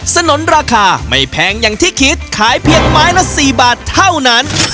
สนุนราคาไม่แพงอย่างที่คิดขายเพียงไม้ละ๔บาทเท่านั้น